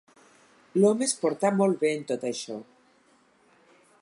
L'home es portà molt bé, en tot això.